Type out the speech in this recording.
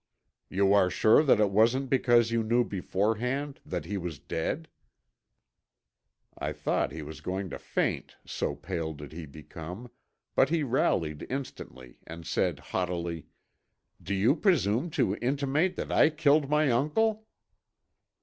"You are sure that it wasn't because you knew beforehand that he was dead?" I thought he was going to faint, so pale did he become, but he rallied instantly and said, haughtily, "Do you presume to intimate that I killed my uncle?"